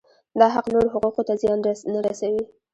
دا حق نورو حقوقو ته زیان نه رسوي.